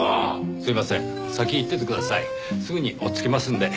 すぐに追っつきますんで。